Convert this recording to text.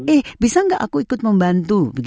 eh bisa nggak aku ikut membantu